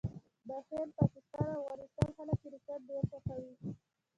د هند، پاکستان او افغانستان خلک کرکټ ډېر خوښوي.